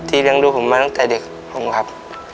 เลี้ยงดูผมมาตั้งแต่เด็กผมครับ